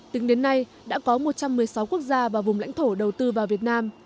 tính đến nay đã có một trăm một mươi sáu quốc gia và vùng lãnh thổ đầu tư vào việt nam